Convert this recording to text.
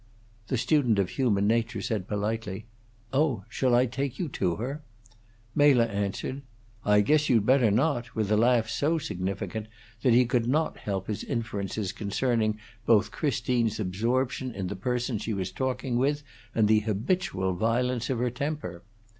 The student of human nature said, politely, "Oh, shall I take you to her?" Mela answered, "I guess you better not!" with a laugh so significant that he could not help his inferences concerning both Christine's absorption in the person she was talking with and the habitual violence of her temper.